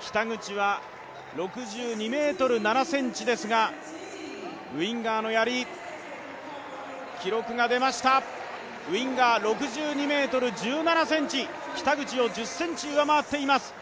北口は６２ｍ７ｃｍですが、ウィンガーのやり、記録が出ました６２ｍ１７ｃｍ、北口を１０ｃｍ上回っています。